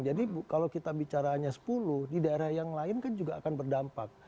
jadi kalau kita bicara hanya sepuluh di daerah yang lain kan juga akan berdampak